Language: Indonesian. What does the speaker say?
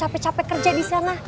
capek capek kerja di sana